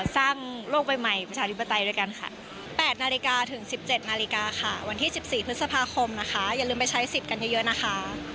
สร้างโลกใหม่ประชาธิปไตยด้วยกันค่ะ